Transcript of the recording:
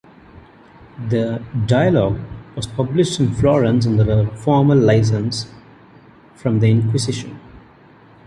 The "Dialogue" was published in Florence under a formal license from the Inquisition.